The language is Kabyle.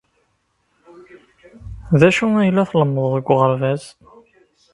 D acu ay la tlemmdeḍ deg uɣerbaz?